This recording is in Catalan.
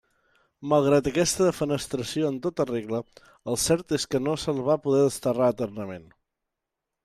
Malgrat aquesta defenestració en tota regla, el cert és que no se'l va poder desterrar eternament.